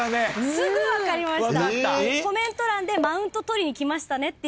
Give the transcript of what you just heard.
すぐ分かりました。